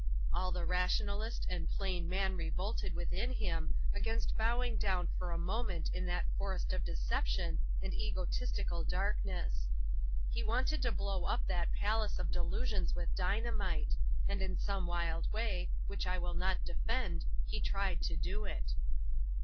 All the rationalist and plain man revolted within him against bowing down for a moment in that forest of deception and egotistical darkness. He wanted to blow up that palace of delusions with dynamite; and in some wild way, which I will not defend, he tried to do it.